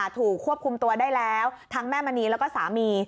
ถูกควบคุมตัวได้แล้วทั้งแม่มณีแล้วก็สามี